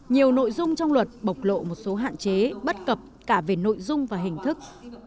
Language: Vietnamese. nhiều nội dung trong luật bộc lộ một số hạn chế bất cập cả về nội dung và hình thức